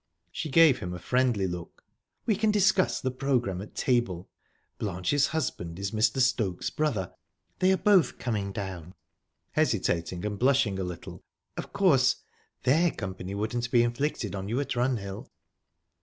She gave him a friendly look. "We can discuss the programme at table. Blanche's husband is Mr. Stokes' brother; they're both coming down."...Hesitating, and blushing a little "Of course, their company wouldn't be inflicted on you at Runhill."